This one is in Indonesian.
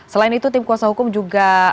selain itu tim kuasa hukum juga